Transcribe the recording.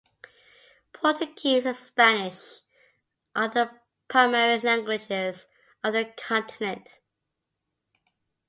Portuguese and Spanish are the primary languages of the continent.